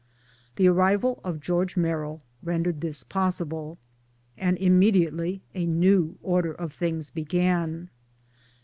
The arrival of George Merrill rendered this possible. And immediately a new order of things began.